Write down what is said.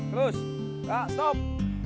terus kak stop